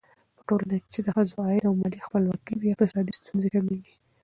په ټولنه کې چې د ښځو عايد او مالي خپلواکي وي، اقتصادي ستونزې کمېږي.